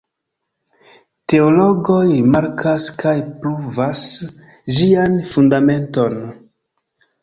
Teologoj rimarkas kaj pruvas ĝian fundamenton.